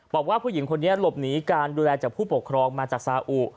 บอกว่าผู้หญิงคนนี้หลบหนีการดูแลจากผู้ปกครองมาจากซาอุ